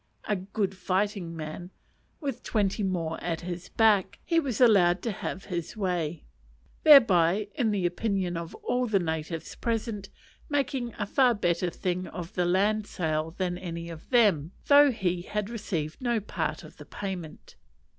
_, a good fighting man, with twenty more at his back, he was allowed to have his way: thereby, in the opinion of all the natives present, making a far better thing of the land sale than any of them, though he had received no part of the payment.